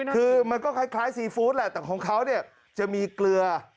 คือมันก็คล้ายซีฟู้ดแหละแต่ของเขาเนี่ยจะมีเกลือ